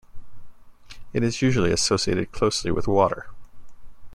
It is usually associated closely with water.